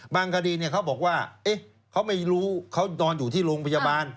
คดีเขาบอกว่าเขาไม่รู้เขานอนอยู่ที่โรงพยาบาล